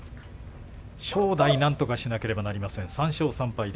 正代、なんとかしなければなりません。